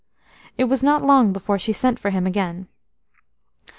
It was not long before she sent for him again.